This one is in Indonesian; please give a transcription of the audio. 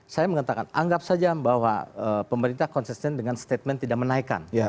saya mengatakan anggap saja bahwa pemerintah konsisten dengan statement tidak menaikkan